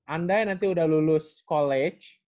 anda yang nanti udah lulus college